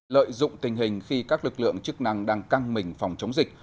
lợi dụng tình hình khi các lực lượng chức năng đang căng mình phòng chống dịch